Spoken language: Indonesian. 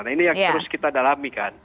nah ini yang harus kita dalamikan